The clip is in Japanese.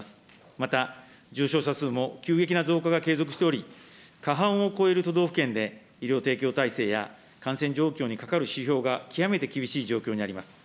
また、重症者数も急激な増加が継続しており、過半を超える都道府県で医療提供体制や、感染状況にかかる指標が極めて厳しい状況にあります。